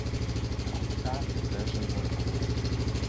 De routekaart moet per se worden gevolgd.